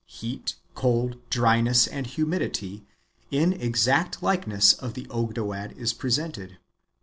heat, cold, dry ness, and humidity, an exact likeness of the Ogdoad is pre sented.